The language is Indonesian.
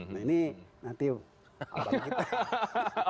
nah ini nanti kita